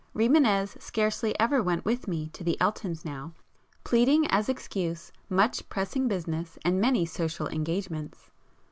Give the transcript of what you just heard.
Rimânez scarcely ever went with me to the Eltons' now, pleading as excuse much pressing business and many social engagements.